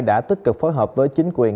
đã tích cực phối hợp với chính quyền